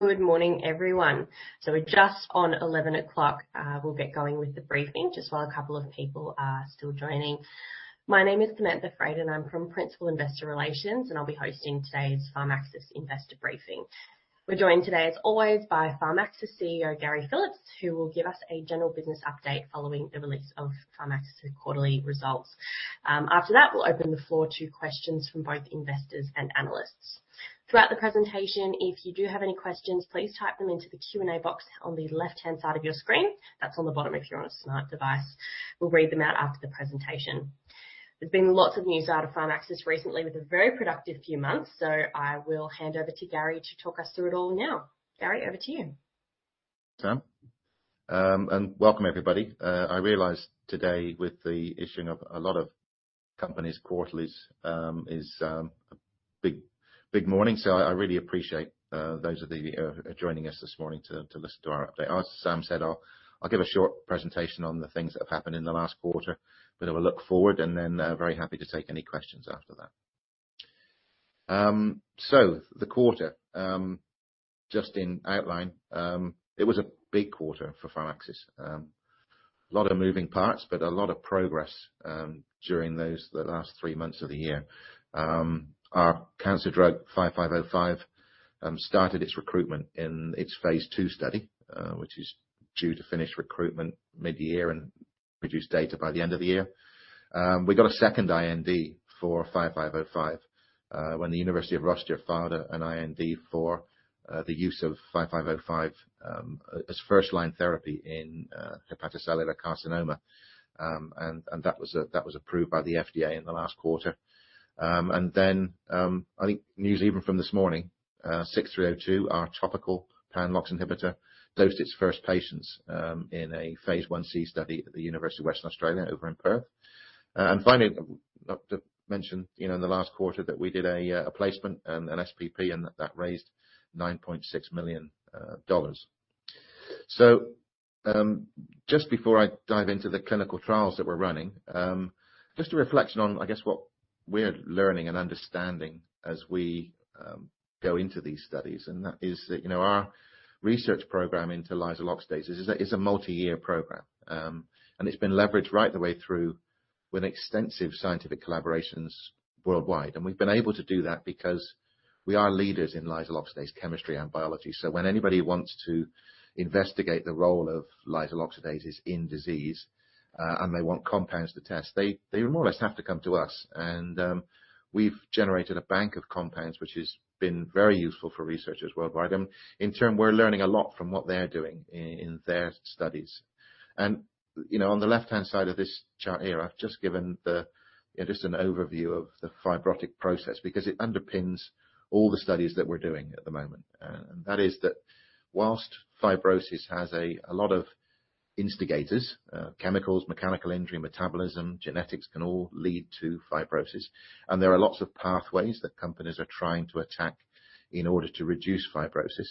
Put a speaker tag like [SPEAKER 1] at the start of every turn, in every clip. [SPEAKER 1] Good morning, everyone. We're just on 11:00 A.M. We'll get going with the briefing just while a couple of people are still joining. My name is Samantha Freight, and I'm from Principal Investor Relations, and I'll be hosting today's Pharmaxis Investor Briefing. We're joined today, as always, by Pharmaxis CEO, Gary Phillips, who will give us a general business update following the release of Pharmaxis's quarterly results. After that, we'll open the floor to questions from both investors and analysts. Throughout the presentation, if you do have any questions, please type them into the Q&A box on the left-hand side of your screen. That's on the bottom if you're on a smart device. We'll read them out after the presentation. There's been lots of news out of Pharmaxis recently with a very productive few months, so I will hand over to Gary to talk us through it all now. Gary, over to you.
[SPEAKER 2] Sam. Welcome everybody. I realize today with the issuing of a lot of companies' quarterlies is a big morning. I really appreciate those of you joining us this morning to listen to our update. As Sam said, I'll give a short presentation on the things that have happened in the last quarter. A bit of a look forward, and then very happy to take any questions after that. The quarter, just in outline, it was a big quarter for Pharmaxis. A lot of moving parts, but a lot of progress during the last three months of the year. Our cancer drug, 5505, started its recruitment in its phase II study, which is due to finish recruitment mid-year and produce data by the end of the year. We got a second IND for 5505, when the University of Rochester filed an IND for the use of 5505, as first-line therapy in hepatocellular carcinoma. That was approved by the FDA in the last quarter. I think news even from this morning, 6302, our topical pan-LOX inhibitor dosed its first patients in a phase 1c study at the University of Western Australia over in Perth. Finally, not to mention, you know, in the last quarter that we did a placement, an SPP, and that raised 9.6 million dollars. Just before I dive into the clinical trials that we're running, just a reflection on, I guess, what we're learning and understanding as we go into these studies, and that is that, you know, our research program into lysyl oxidase is a multi-year program. It's been leveraged right the way through with extensive scientific collaborations worldwide. We've been able to do that because we are leaders in lysyl oxidase chemistry and biology. When anybody wants to investigate the role of lysyl oxidase in disease, and they want compounds to test, they more or less have to come to us. We've generated a bank of compounds, which has been very useful for researchers worldwide. In turn, we're learning a lot from what they're doing in their studies. You know, on the left-hand side of this chart here, I've just given the, you know, just an overview of the fibrotic process because it underpins all the studies that we're doing at the moment. That is that while fibrosis has a lot of instigators, chemicals, mechanical injury, metabolism, genetics can all lead to fibrosis. There are lots of pathways that companies are trying to attack in order to reduce fibrosis.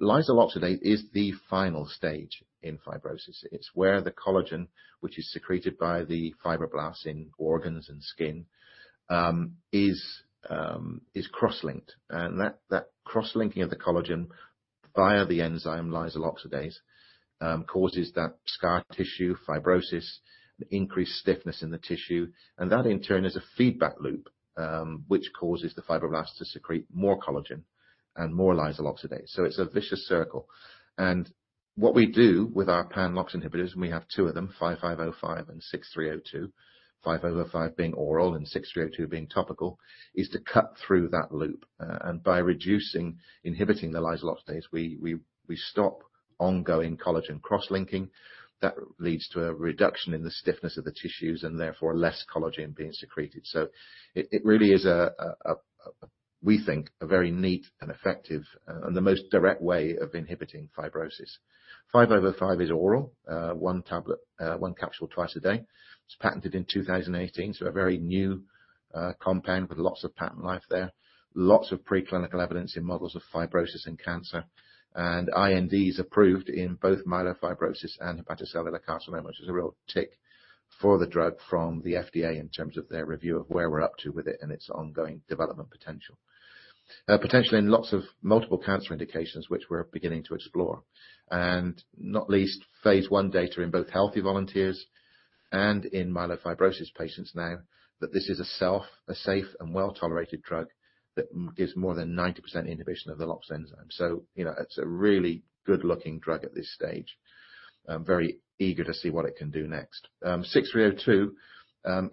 [SPEAKER 2] Lysyl oxidase is the final stage in fibrosis. It's where the collagen, which is secreted by the fibroblasts in organs and skin, is cross-linked. That cross-linking of the collagen via the enzyme lysyl oxidase causes that scar tissue fibrosis, increased stiffness in the tissue. That, in turn, is a feedback loop which causes the fibroblasts to secrete more collagen and more lysyl oxidase. It's a vicious circle. What we do with our pan-LOX inhibitors, and we have two of them, 5505 and 6302. 5505 being oral and 6302 being topical, is to cut through that loop. By reducing, inhibiting the lysyl oxidase, we stop ongoing collagen cross-linking. That leads to a reduction in the stiffness of the tissues and therefore less collagen being secreted. It really is, we think, a very neat and effective and the most direct way of inhibiting fibrosis. PXS-5505 is oral, one tablet, one capsule twice a day. It's patented in 2018, so a very new compound with lots of patent life there. Lots of preclinical evidence in models of fibrosis and cancer. INDs approved in both myelofibrosis and hepatocellular carcinoma, which is a real tick for the drug from the FDA in terms of their review of where we're up to with it and its ongoing development potential. Potentially in lots of multiple cancer indications, which we're beginning to explore. Not least, phase I data in both healthy volunteers and in myelofibrosis patients show that this is a safe and well-tolerated drug that gives more than 90% inhibition of the LOX enzyme. You know, it's a really good looking drug at this stage. I'm very eager to see what it can do next. 6302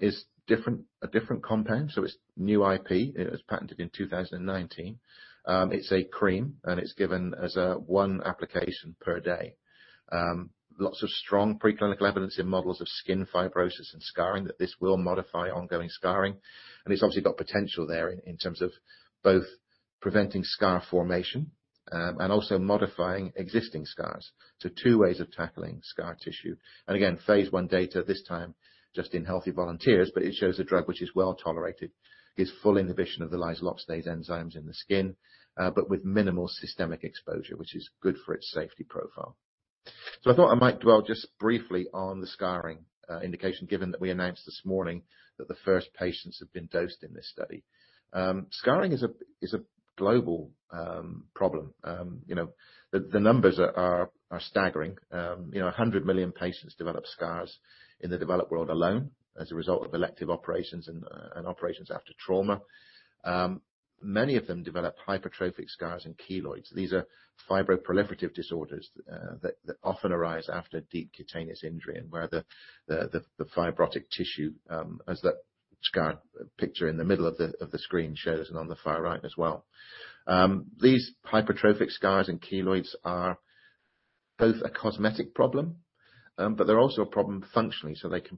[SPEAKER 2] is different, a different compound, so it's new IP. It was patented in 2019. It's a cream, and it's given as one application per day. Lots of strong preclinical evidence in models of skin fibrosis and scarring that this will modify ongoing scarring. It's obviously got potential there in terms of both preventing scar formation and also modifying existing scars. Two ways of tackling scar tissue. Again, phase I data, this time just in healthy volunteers, but it shows a drug which is well-tolerated, gives full inhibition of the lysyl oxidase enzymes in the skin, but with minimal systemic exposure, which is good for its safety profile. I thought I might dwell just briefly on the scarring indication, given that we announced this morning that the first patients have been dosed in this study. Scarring is a global problem. You know, the numbers are staggering. You know, 100 million patients develop scars in the developed world alone as a result of elective operations and operations after trauma. Many of them develop hypertrophic scars and keloids. These are fibroproliferative disorders that often arise after deep cutaneous injury and where the fibrotic tissue, as that scar picture in the middle of the screen shows and on the far right as well. These hypertrophic scars and keloids are both a cosmetic problem, but they're also a problem functionally. They can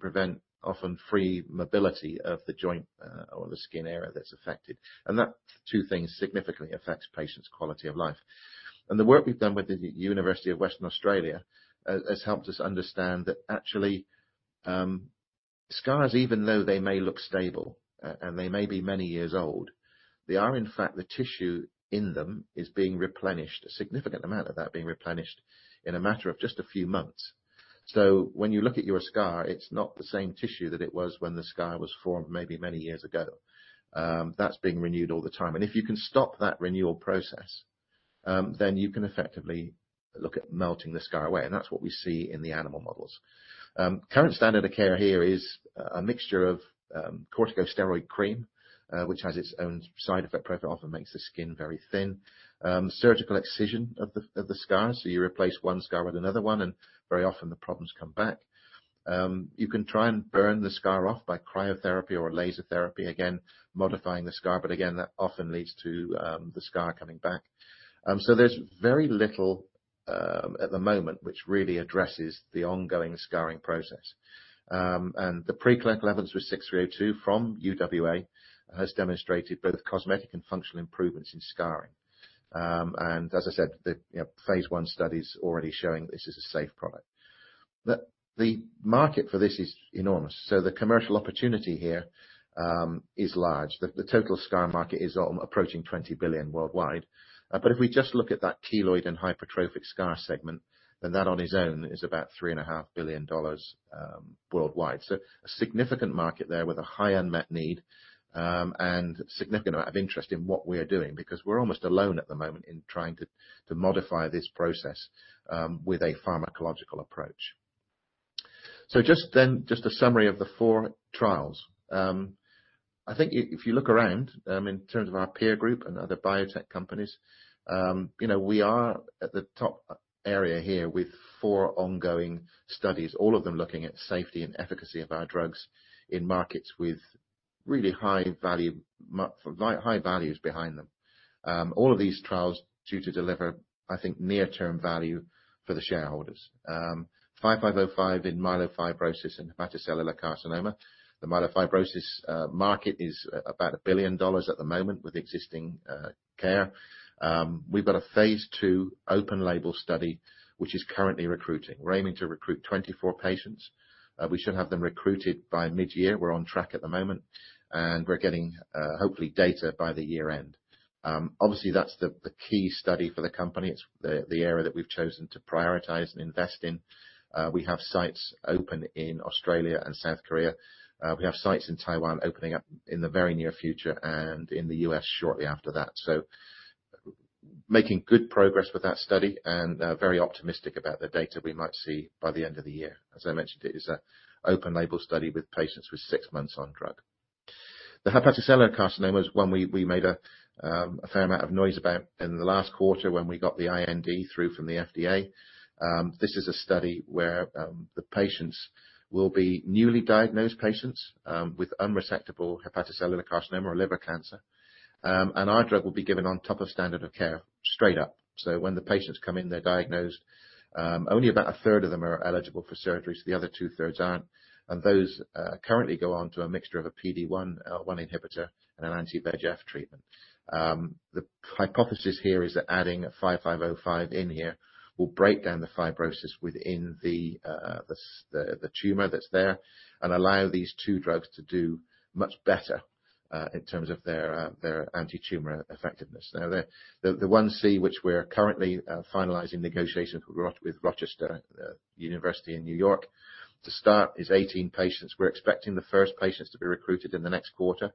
[SPEAKER 2] often prevent free mobility of the joint or the skin area that's affected. Those two things significantly affect patients' quality of life. The work we've done with the University of Western Australia has helped us understand that actually, scars even though they may look stable and they may be many years old, they are in fact, the tissue in them is being replenished, a significant amount of that being replenished in a matter of just a few months. When you look at your scar, it's not the same tissue that it was when the scar was formed maybe many years ago. That's being renewed all the time. If you can stop that renewal process, then you can effectively look at melting the scar away, and that's what we see in the animal models. Current standard of care here is a mixture of corticosteroid cream, which has its own side effect profile. It often makes the skin very thin. Surgical excision of the scar. You replace one scar with another one, and very often the problems come back. You can try and burn the scar off by cryotherapy or laser therapy, again, modifying the scar, but again, that often leads to the scar coming back. There's very little at the moment which really addresses the ongoing scarring process. The preclinical evidence with 6302 from UWA has demonstrated both cosmetic and functional improvements in scarring. As I said, the, you know, phase I study's already showing this is a safe product. The market for this is enormous, so the commercial opportunity here is large. The total scar market is approaching $20 billion worldwide. If we just look at that keloid and hypertrophic scar segment, then that on its own is about $3.5 billion worldwide. A significant market there with a high unmet need and significant amount of interest in what we are doing because we're almost alone at the moment in trying to modify this process with a pharmacological approach. Just a summary of the four trials. I think if you look around in terms of our peer group and other biotech companies, you know, we are at the top area here with four ongoing studies, all of them looking at safety and efficacy of our drugs in markets with really high-value for very high-values behind them. All of these trials due to deliver, I think, near-term value for the shareholders. 5505 in myelofibrosis and hepatocellular carcinoma. The myelofibrosis market is about $1 billion at the moment with existing care. We've got a phase II open-label study, which is currently recruiting. We're aiming to recruit 24 patients. We should have them recruited by mid-year. We're on track at the moment, and we're getting hopefully data by the year-end. Obviously that's the key study for the company. It's the area that we've chosen to prioritize and invest in. We have sites open in Australia and South Korea. We have sites in Taiwan opening up in the very near future and in the US shortly after that. Making good progress with that study and very optimistic about the data we might see by the end of the year. As I mentioned, it is an open-label study with patients with six months on drug. The hepatocellular carcinoma is one we made a fair amount of noise about in the last quarter when we got the IND through from the FDA. This is a study where the patients will be newly diagnosed patients with unresectable hepatocellular carcinoma or liver cancer. Our drug will be given on top of standard of care straight up. When the patients come in, they're diagnosed, only about a third of them are eligible for surgery, so the other two-thirds aren't. Those currently go on to a mixture of a PD-1 inhibitor and an anti-VEGF treatment. The hypothesis here is that adding 5505 in here will break down the fibrosis within the tumor that's there and allow these two drugs to do much better in terms of their anti-tumor effectiveness. The 1c which we're currently finalizing negotiations with the University of Rochester in New York to start is 18 patients. We're expecting the first patients to be recruited in the next quarter,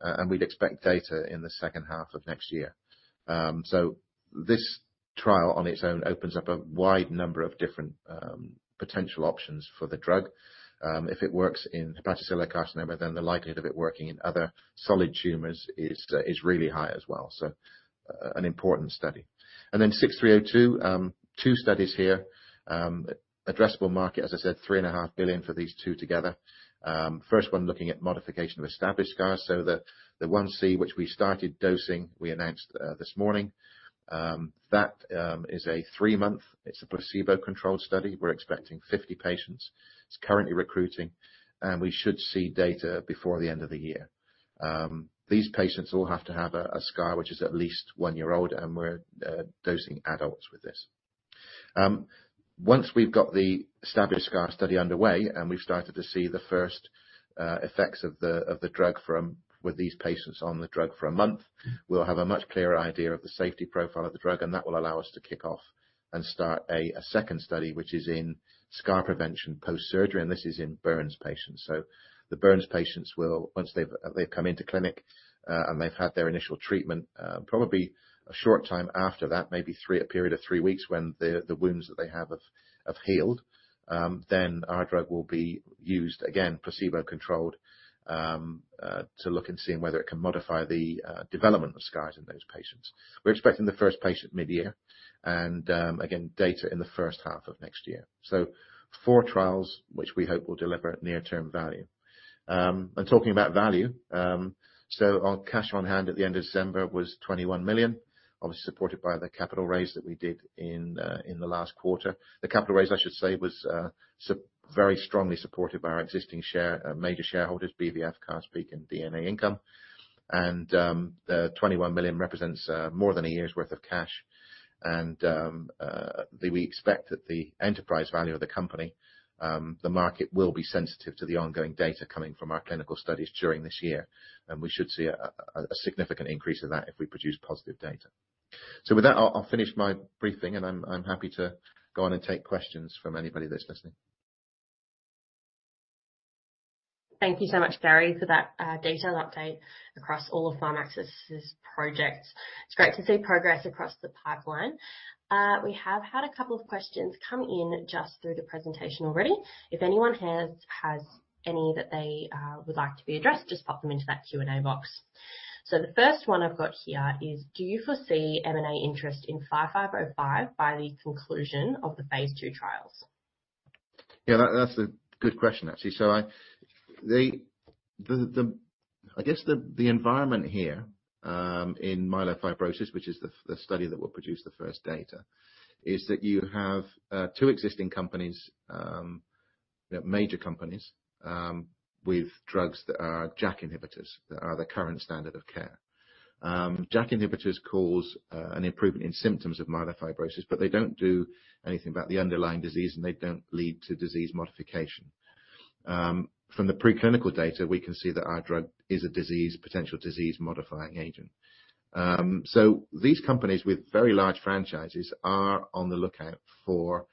[SPEAKER 2] and we'd expect data in the second half of next year. This trial on its own opens up a wide number of different potential options for the drug. If it works in hepatocellular carcinoma, then the likelihood of it working in other solid tumors is really high as well. An important study. 6302, two studies here. Addressable market, as I said, 3.5 billion for these two together. First one looking at modification of established scars. The 1c, which we started dosing, we announced this morning, is a 3-month placebo-controlled study. We're expecting 50 patients. It's currently recruiting, and we should see data before the end of the year. These patients all have to have a scar which is at least one year old, and we're dosing adults with this. Once we've got the established scar study underway, and we've started to see the first effects of the drug with these patients on the drug for a month, we'll have a much clearer idea of the safety profile of the drug, and that will allow us to kick off and start a second study, which is in scar prevention post-surgery, and this is in burns patients. The burns patients will once they've come into clinic and they've had their initial treatment, probably a short time after that, a period of three weeks when the wounds that they have healed, then our drug will be used, again, placebo-controlled, to look and see whether it can modify the development of scars in those patients. We're expecting the first patient mid-year, and again, data in the first half of next year. Four trials, which we hope will deliver near-term value. Talking about value, our cash on hand at the end of December was 21 million. Obviously supported by the capital raise that we did in the last quarter. The capital raise, I should say, was very strongly supported by our existing major shareholders, BVF, Karst Peak, and D&A Income. 21 million represents more than a year's worth of cash and we expect that the enterprise value of the company, the market will be sensitive to the ongoing data coming from our clinical studies during this year, and we should see a significant increase in that if we produce positive data. With that, I'll finish my briefing and I'm happy to go on and take questions from anybody that's listening.
[SPEAKER 1] Thank you so much, Gary Phillips, for that detailed update across all of Pharmaxis' projects. It's great to see progress across the pipeline. We have had a couple of questions come in just through the presentation already. If anyone has any that they would like to be addressed, just pop them into that Q&A box. The first one I've got here is: Do you foresee M&A interest in 5505 by the conclusion of the phase II trials?
[SPEAKER 2] Yeah, that's a good question, actually. The environment here in myelofibrosis, which is the study that will produce the first data, is that you have two existing companies, major companies, with drugs that are JAK inhibitors that are the current standard of care. JAK inhibitors cause an improvement in symptoms of myelofibrosis, but they don't do anything about the underlying disease and they don't lead to disease modification. From the preclinical data, we can see that our drug is a potential disease modifying agent. These companies with very large franchises are on the lookout for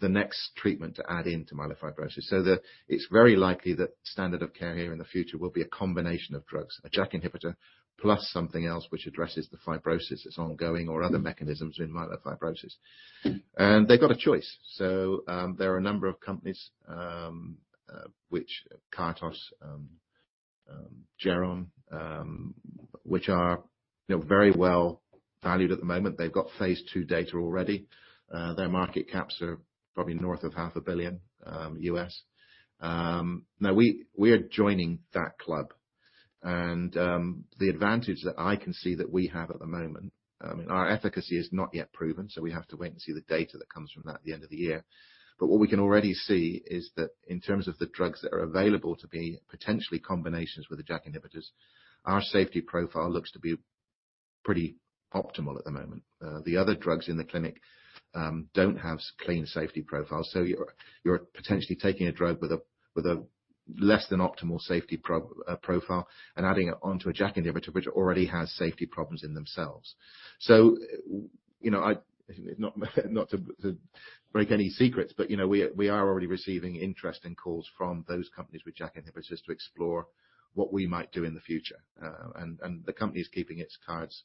[SPEAKER 2] the next treatment to add into myelofibrosis, so that it's very likely that standard of care here in the future will be a combination of drugs. A JAK inhibitor plus something else which addresses the fibrosis that's ongoing or other mechanisms in myelofibrosis. They've got a choice. There are a number of companies, Kartos and Geron, which are, you know, very well-valued at the moment. They've got phase II data already. Their market caps are probably north of $0.5 billion. Now we are joining that club and the advantage that I can see that we have at the moment and our efficacy is not yet proven, so we have to wait and see the data that comes from that at the end of the year. What we can already see is that in terms of the drugs that are available to be potential combinations with the JAK inhibitors, our safety profile looks to be pretty optimal at the moment. The other drugs in the clinic don't have clean safety profiles, so you're potentially taking a drug with a less than optimal safety profile and adding it onto a JAK inhibitor which already has safety problems in themselves. You know, not to break any secrets, but you know, we are already receiving interest and calls from those companies with JAK inhibitors to explore what we might do in the future. The company's keeping its cards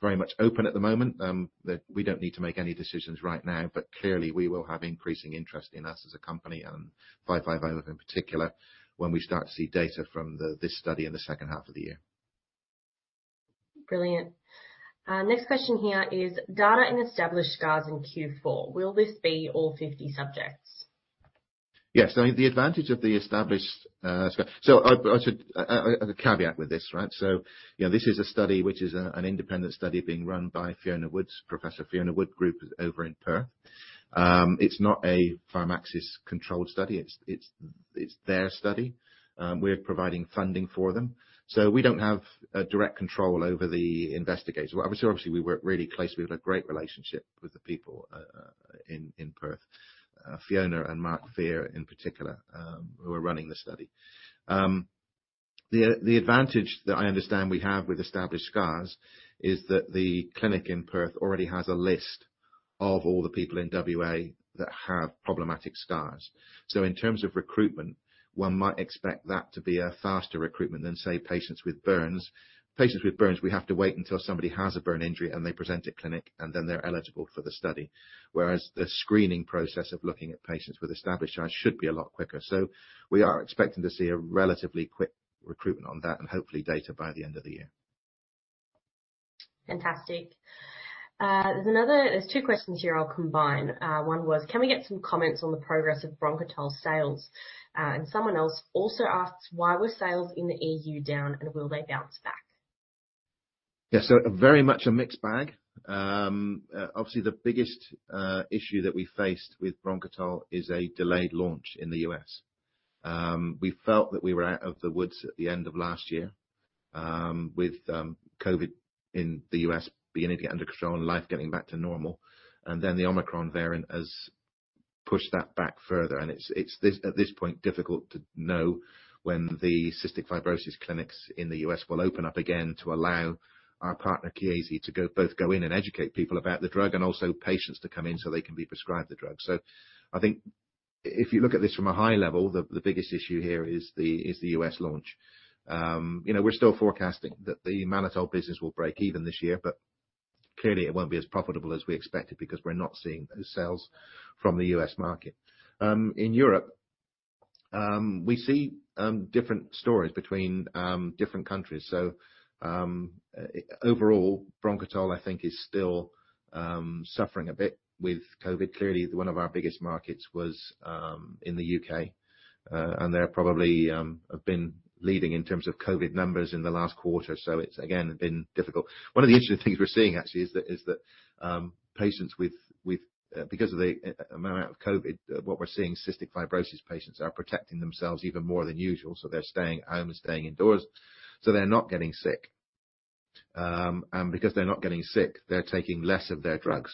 [SPEAKER 2] very much open at the moment that we don't need to make any decisions right now, but clearly we will have increasing interest in us as a company and 5505 in particular when we start to see data from this study in the second half of the year.
[SPEAKER 1] Brilliant. Next question here is data in established scars in Q4, will this be all 50 subjects?
[SPEAKER 2] Yes. I mean, I should add a caveat with this, right? You know, this is a study which is an independent study being run by Professor Fiona Wood's group over in Perth. It's not a Pharmaxis controlled study, it's their study. We're providing funding for them. We don't have direct control over the investigators. Well, obviously we work really closely. We have a great relationship with the people in Perth. Fiona and Mark Fear in particular, who are running the study. The advantage that I understand we have with established scars is that the clinic in Perth already has a list of all the people in WA that have problematic scars. In terms of recruitment, one might expect that to be a faster recruitment than, say, patients with burns. Patients with burns, we have to wait until somebody has a burn injury and they present at clinic, and then they're eligible for the study. Whereas the screening process of looking at patients with established scars should be a lot quicker. We are expecting to see a relatively quick recruitment on that and hopefully data by the end of the year.
[SPEAKER 1] Fantastic. There's two questions here I'll combine. One was: Can we get some comments on the progress of Bronchitol sales? And someone else also asks: Why were sales in the EU down, and will they bounce back?
[SPEAKER 2] Very much a mixed bag. Obviously the biggest issue that we faced with Bronchitol is a delayed launch in the US We felt that we were out of the woods at the end of last year, with COVID in the US beginning to get under control and life getting back to normal. Then the Omicron variant has pushed that back further, and it's at this point difficult to know when the cystic fibrosis clinics in the US will open up again to allow our partner, Chiesi, to go in and educate people about the drug and also patients to come in so they can be prescribed the drug. I think if you look at this from a high-level, the biggest issue here is the US launch. You know, we're still forecasting that the Mannitol business will break even this year, but clearly it won't be as profitable as we expected because we're not seeing the sales from the US market. In Europe, we see different stories between different countries. Overall, Bronchitol I think is still suffering a bit with COVID. Clearly, one of our biggest markets was in the U.K., and they probably have been leading in terms of COVID numbers in the last quarter, so it's again been difficult. One of the interesting things we're seeing actually is that patients with cystic fibrosis are protecting themselves even more than usual because of the amount of COVID, so they're staying home and staying indoors, so they're not getting sick. Because they're not getting sick, they're taking less of their drugs.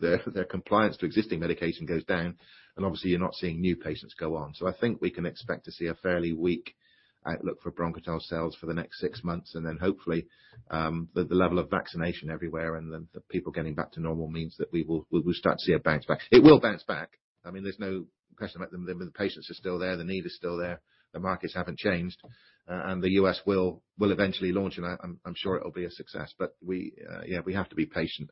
[SPEAKER 2] Their compliance to existing medication goes down, and obviously you're not seeing new patients go on. I think we can expect to see a fairly weak outlook for Bronchitol sales for the next six months, and then hopefully, the level of vaccination everywhere and then the people getting back to normal means that we will start to see a bounce back. It will bounce back. I mean, there's no question about them. The patients are still there, the need is still there. The markets haven't changed. The US will eventually launch, and I'm sure it'll be a success. We have to be patient.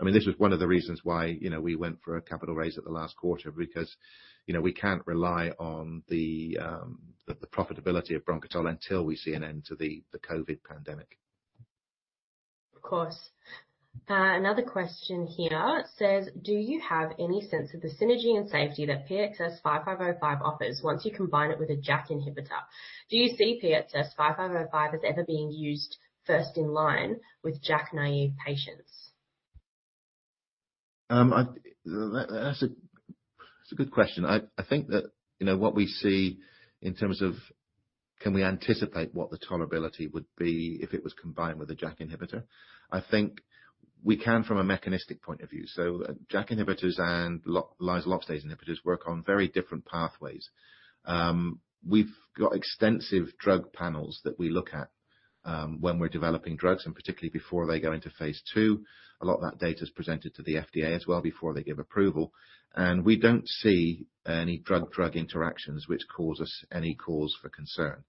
[SPEAKER 2] I mean, this was one of the reasons why, you know, we went for a capital raise in the last quarter because, you know, we can't rely on the profitability of Bronchitol until we see an end to the COVID pandemic.
[SPEAKER 1] Of course. Another question here. It says, "Do you have any sense of the synergy and safety that PXS-5505 offers once you combine it with a JAK inhibitor? Do you see PXS-5505 as ever being used first in line with JAK-naïve patients?
[SPEAKER 2] That's a good question. I think that, you know, what we see in terms of can we anticipate what the tolerability would be if it was combined with a JAK inhibitor. I think we can from a mechanistic point of view. JAK inhibitors and lysyl oxidase inhibitors work on very different pathways. We've got extensive drug panels that we look at when we're developing drugs, and particularly before they go into phase II. A lot of that data is presented to the FDA as well before they give approval. We don't see any drug-drug interactions which cause us any cause for concern.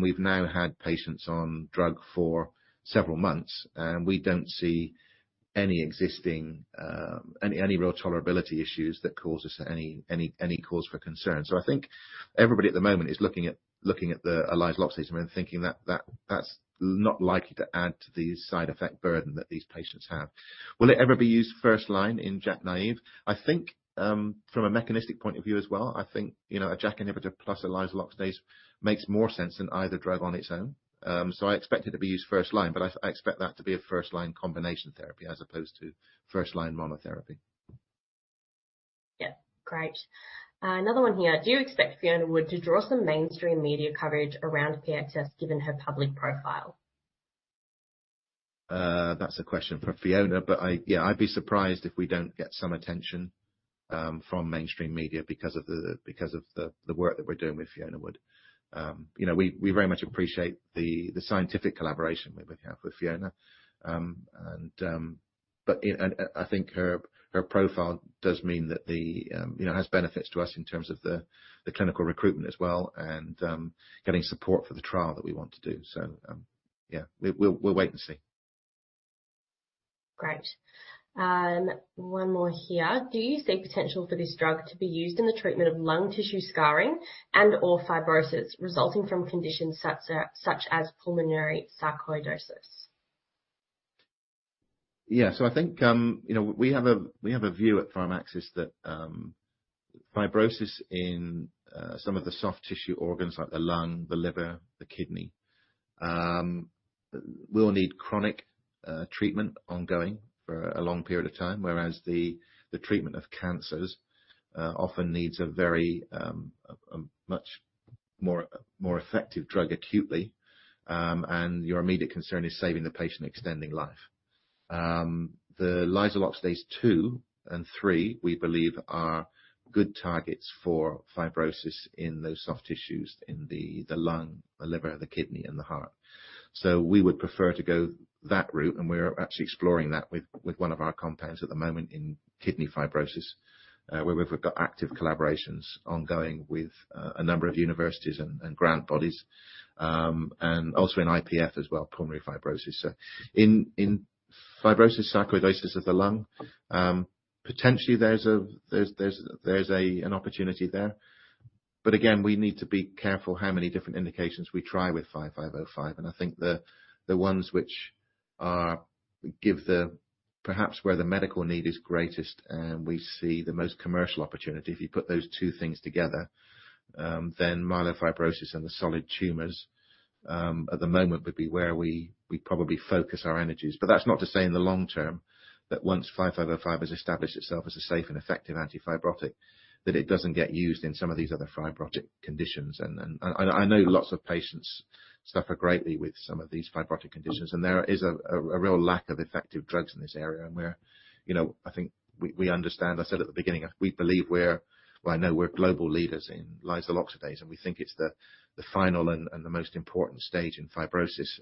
[SPEAKER 2] We've now had patients on drug for several months, and we don't see any existing any real tolerability issues that cause us any cause for concern. I think everybody at the moment is looking at the lysyl oxidase and thinking that that's not likely to add to the side effect burden that these patients have. Will it ever be used first line in JAK-naïve? I think from a mechanistic point of view as well, you know, a JAK inhibitor plus a lysyl oxidase makes more sense than either drug on its own. I expect it to be used first line, but I expect that to be a first-line combination therapy as opposed to first-line monotherapy.
[SPEAKER 1] Yeah. Great. Another one here: "Do you expect Fiona Wood to draw some mainstream media coverage around PXS given her public profile?
[SPEAKER 2] That's a question for Fiona. Yeah, I'd be surprised if we don't get some attention from mainstream media because of the work that we're doing with Fiona Wood. You know, we very much appreciate the scientific collaboration we have with Fiona. I think her profile does mean that, you know, has benefits to us in terms of the clinical recruitment as well, and getting support for the trial that we want to do. Yeah, we'll wait and see.
[SPEAKER 1] Great. One more here: "Do you see potential for this drug to be used in the treatment of lung tissue scarring and/or fibrosis resulting from conditions such as pulmonary sarcoidosis?
[SPEAKER 2] Yeah. I think, you know, we have a view at Pharmaxis that fibrosis in some of the soft tissue organs like the lung, the liver, the kidney will need chronic treatment ongoing for a long period of time, whereas the treatment of cancers often needs a much more effective drug acutely, and your immediate concern is saving the patient, extending life. The lysyl oxidase 2 and 3, we believe are good targets for fibrosis in those soft tissues in the lung, the liver, the kidney, and the heart. We would prefer to go that route, and we're actually exploring that with one of our compounds at the moment in kidney fibrosis, where we've got active collaborations ongoing with a number of universities and grant bodies, and also in IPF as well, pulmonary fibrosis. In fibrosis, sarcoidosis of the lung, potentially there's an opportunity there. We need to be careful how many different indications we try with 5505. I think the ones perhaps where the medical need is greatest and we see the most commercial opportunity, if you put those two things together, then myelofibrosis and the solid tumors at the moment would be where we probably focus our energies. That's not to say in the long-term that once 5505 has established itself as a safe and effective anti-fibrotic, that it doesn't get used in some of these other fibrotic conditions. I know lots of patients suffer greatly with some of these fibrotic conditions, and there is a real lack of effective drugs in this area. We're, you know, I think we understand. I know we're global leaders in lysyl oxidase, and we think it's the final and the most important stage in fibrosis.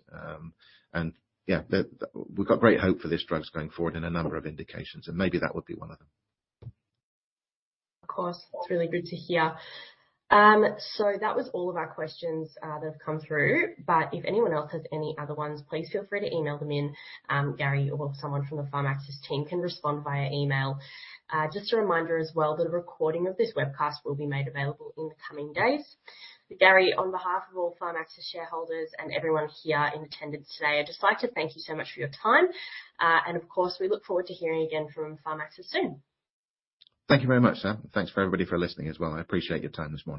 [SPEAKER 2] We've got great hope for this drugs going forward in a number of indications, and maybe that would be one of them.
[SPEAKER 1] Of course. It's really good to hear. That was all of our questions that have come through. If anyone else has any other ones, please feel free to email them in. Gary or someone from the Pharmaxis team can respond via email. Just a reminder as well that a recording of this webcast will be made available in the coming days. Gary, on behalf of all Pharmaxis shareholders and everyone here in attendance today, I'd just like to thank you so much for your time. Of course, we look forward to hearing again from Pharmaxis soon.
[SPEAKER 2] Thank you very much. Thanks for everybody for listening as well. I appreciate your time this morning.